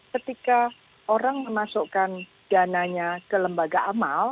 ketika orang memasukkan dana nya ke lembaga amal